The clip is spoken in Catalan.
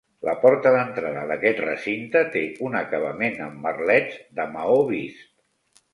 La porta d'entrada d'aquest recinte té un acabament amb merlets, de maó vist.